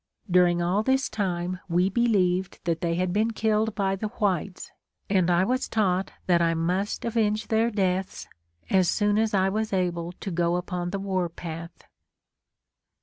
During all this time we believed that they had been killed by the whites, and I was taught that I must avenge their deaths as soon as I was able to go upon the war path.